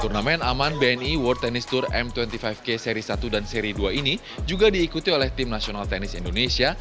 turnamen aman bni world tennis tour m dua puluh lima k seri satu dan seri dua ini juga diikuti oleh tim nasional tenis indonesia